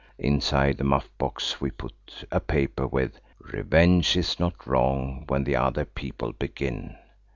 Inside the muff box we put a paper with– "Revenge is not wrong when the other people begin.